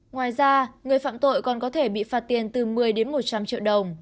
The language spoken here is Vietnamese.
ngoài ra người phạm tội còn có thể bị phạt tiền từ một mươi đến một trăm linh triệu đồng